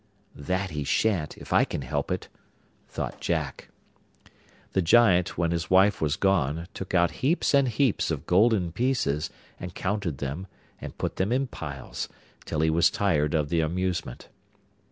'That he shan't, if I can help it,' thought Jack. The Giant, when his wife was gone, took out heaps and heaps of golden pieces, and counted them, and put them in piles, till he was tired of the amusement.